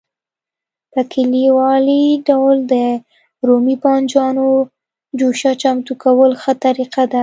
په کلیوالي ډول د رومي بانجانو جوشه چمتو کول ښه طریقه ده.